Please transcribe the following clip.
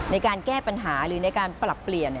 ในการแก้ปัญหาหรือในการปรับเปลี่ยน